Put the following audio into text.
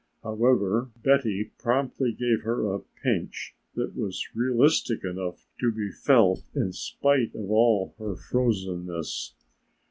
However, Betty promptly gave her a pinch that was realistic enough to be felt in spite of all her frozenness.